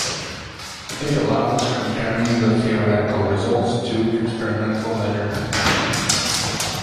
It allows comparing the theoretical results to experimental measurements.